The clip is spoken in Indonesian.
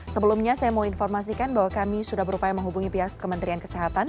sebelumnya saya mau informasikan bahwa kami sudah berupaya menghubungi pihak kementerian kesehatan